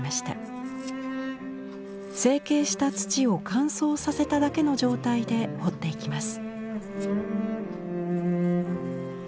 成形した土を乾燥させただけの状態で彫っていきます。